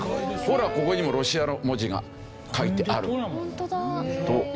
ほらここにもロシアの文字が書いてあるというわけですね。